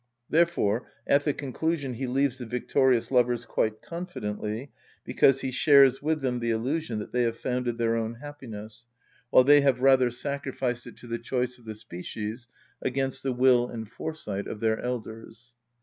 Therefore at the conclusion he leaves the victorious lovers quite confidently, because he shares with them the illusion that they have founded their own happiness, while they have rather sacrificed it to the choice of the species, against the will and foresight of their elders.